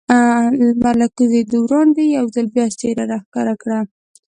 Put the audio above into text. لمر له کوزېدو وړاندې یو ځل بیا څېره را ښکاره کړل.